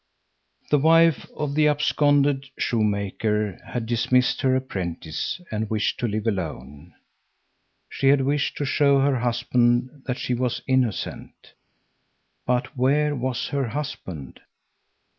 The wife of the absconded shoemaker had dismissed her apprentice and wished to live alone. She had wished to show her husband that she was innocent. But where was her husband?